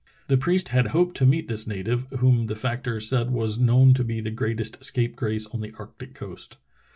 The priest had hoped to meet this native, whom the factor said was known to be the greatest scapegrace on the arctic coast.